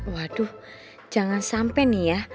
waduh jangan sampai nih ya